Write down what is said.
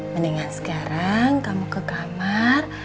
mendingan sekarang kamu ke kamar